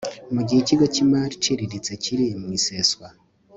mu gihe ikigo cy imari iciriritse kiri mu iseswa